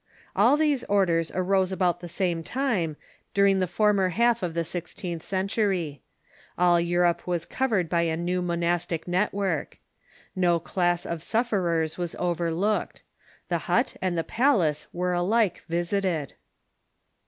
All these orders arose about the same lime, during the former half of the sixteenth century. All P]urope was covered by the new monastic network. No class of sufferers was overlooked. The hut and the palace were alike visited.